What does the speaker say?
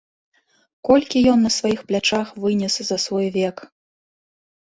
Колькі ён на сваіх плячах вынес за свой век.